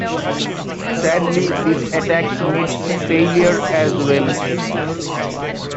Sadly, this attack meets failure as well.